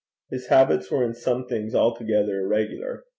His habits were in some things altogether irregular.